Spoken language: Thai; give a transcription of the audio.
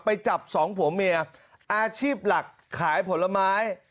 ไปจับสองผัวเมียอาชีพหลักขายผลไม้